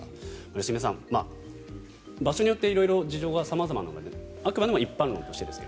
良純さん、場所によって事情が様々なのであくまでも一般論としてはですが。